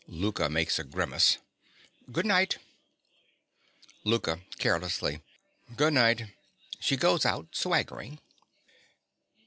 (Louka makes a grimace.) Good night. LOUKA. (carelessly). Good night. (_She goes out, swaggering.